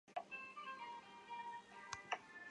布里翁河畔苏塞。